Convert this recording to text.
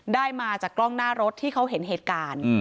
ได้มาจากกล้องหน้ารถที่เขาเห็นเหตุการณ์